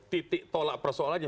titik tolak persoalan